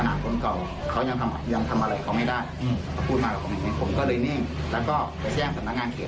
แล้วก็เนียบไปเลยครับครณ์ทางงามนี้